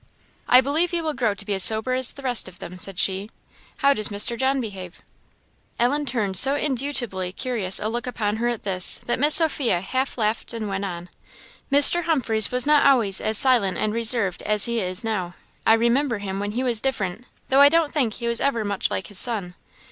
"I believe you will grow to be as sober as the rest of them," said she. "How does Mr. John behave?" Ellen turned so indubitably curious a look upon her at this, that Miss Sophia half laughed and went on "Mr. Humphreys was not always as silent and reserved as he is now; I remember him when he was different, though I don't think he was ever much like his son.